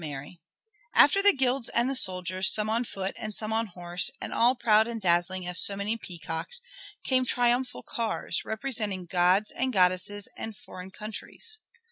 [Illustration: MARY STUART At the Age of Nine] After the guilds and the soldiers, some on foot and some on horse, and all proud and dazzling as so many peacocks, came triumphal cars, representing gods and goddesses, and foreign countries.